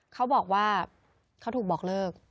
เขาบอกว่าเขาถูกบอกเลิก